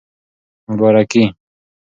مبارکي